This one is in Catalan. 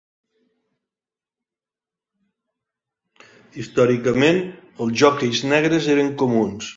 Històricament, els jockeys negres eren comuns.